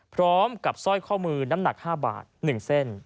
พร้อมกับสร้อยข้อมือน้ำหนัก๕บาท๑เส้น